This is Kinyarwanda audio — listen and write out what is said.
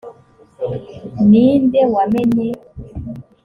ni nde wamenye